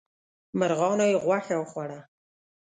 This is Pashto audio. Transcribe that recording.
مرغانو یې غوښه وخوړه.